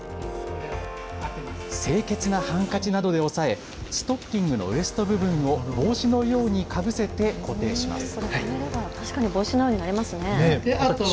清潔なハンカチなどで押さえストッキングのウエスト部分を帽子のようにかぶせて固定します。